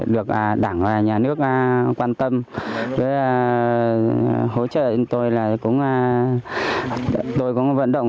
được đảng và nhà nước quan tâm hỗ trợ tôi là cũng vận động